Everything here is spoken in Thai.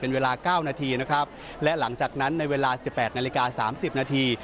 เป็นเวลาเก้านาทีนะครับและหลังจากนั้นในเวลาสิบแปดนาฬิกาสามสิบนาที